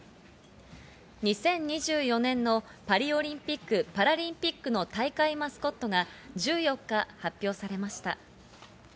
２０２４年のパリオリンピック・パラリンピックの大会マスコットが、１４日発表されました。